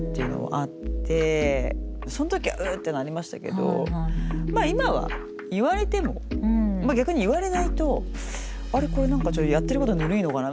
その時は「う」ってなりましたけどまあ今は言われてもまあ逆に言われないと「あれ？これ何かちょいやってることがぬるいのかな？」